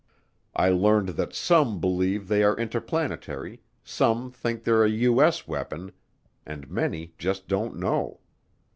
I learned that some believe they are interplanetary, some think they're a U.S. weapon, and many just don't know.